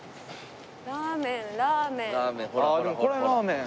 ラーメンラーメン。